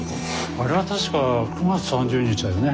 あれは確か９月３０日だよね？